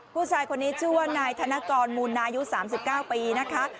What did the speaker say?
ผู้ชายคนนี้ชื่อว่านายธนกรหมู่นายุสามสิบเก้าปีนะคะ